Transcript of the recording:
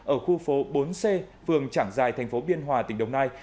ở khu phố bốn c phường trảng giài thành phố biên hòa tỉnh đồng nai